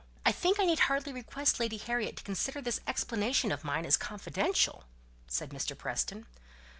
"I think I need hardly request Lady Harriet to consider this explanation of mine as confidential," said Mr. Preston.